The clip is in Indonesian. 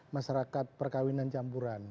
masyarakat perkawinan campuran